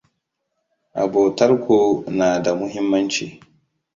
Abotarku na da muhimmanci.